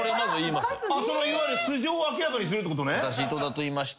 いわゆる素性を明らかにするってことね？